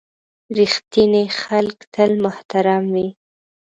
• رښتیني خلک تل محترم وي.